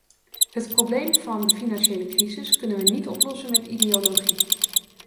Het probleem van de financiële crisis kunnen we niet oplossen met ideologie.